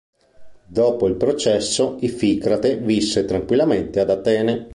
Dopo il processo Ificrate visse tranquillamente ad Atene.